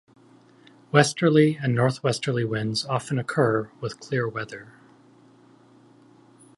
Westerly and northwesterly winds often occur with clear weather.